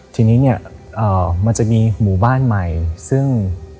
ทีนี้เนี่ยมันจะมีหมู่บ้านใหม่ซึ่ง